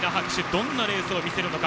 どんなレースを見せるか。